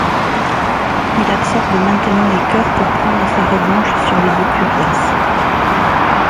Il absorbe maintenant les cœurs pour prendre sa revanche sur les occurias.